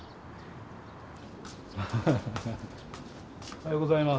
おはようございます。